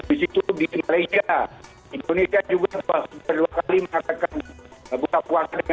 indonesia indonesia juga